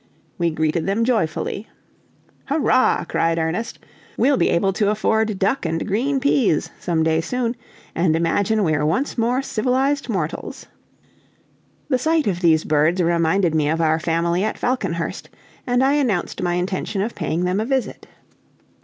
We greeted them joyfully. "Hurrah!" cried Ernest, "we'll be able to afford duck and green peas some day soon, and imagine we're once more civilized mortals." The sight of these birds reminded me of our family at Falconhurst, and I announced my intention of paying them a visit.